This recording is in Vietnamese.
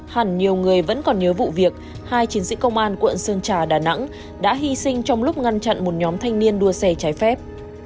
hẳn nhiều người vẫn còn nhớ vụ việc hai chiến sĩ công an quận sơn trà đà nẵng đã hy sinh trong lúc ngăn chặn một nhóm thanh niên đua xe trái phép